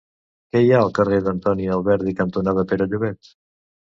Què hi ha al carrer Antoni Alberdi cantonada Pere Llobet?